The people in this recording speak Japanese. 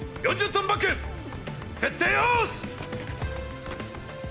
トンバッグ設定よし！